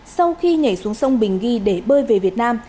sau khi nhảy xuống sông bình ghi để bơi về việt nam